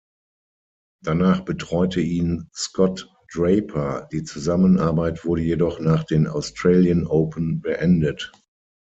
Danach betreute ihn Scott Draper, die Zusammenarbeit wurde jedoch nach den Australian Open beendet.